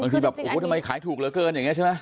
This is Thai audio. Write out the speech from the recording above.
ทีแบบโอ้โหทำไมขายถูกเหลือเกินอย่างนี้ใช่ไหม